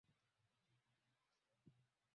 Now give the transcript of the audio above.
Wakati wa kula unawadia